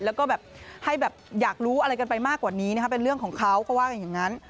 แล้วก็แบบให้แบบอยากรู้อะไรกันไปมากกว่านี้นะคะเป็นเรื่องของเขาก็ว่ากันอย่างนั้น